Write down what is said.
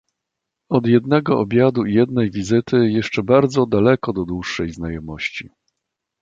"Od jednego obiadu i jednej wizyty, jeszcze bardzo daleko do dłuższej znajomości."